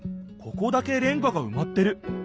ここだけレンガがうまってる。